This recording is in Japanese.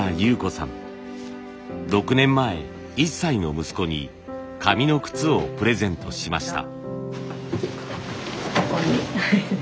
６年前１歳の息子に紙の靴をプレゼントしました。